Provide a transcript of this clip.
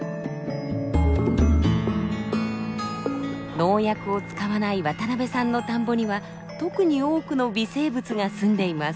農薬を使わない渡部さんの田んぼには特に多くの微生物がすんでいます。